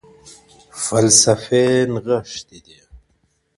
فلسفې نغښتي دي.